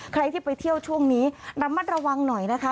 ใครที่ไปเที่ยวช่วงนี้ระมัดระวังหน่อยนะคะ